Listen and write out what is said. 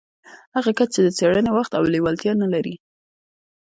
هغه کس چې د څېړنې وخت او لېوالتيا نه لري.